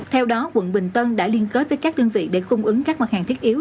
theo đó quận bình tân đã liên kết với các đơn vị để cung ứng các mặt hàng thiết yếu